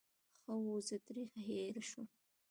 ښه وو، زه ترې هېر شوم.